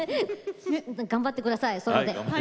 頑張ってください、それで。